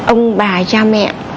ông bà cha mẹ